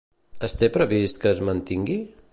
Es té previst que es mantingui?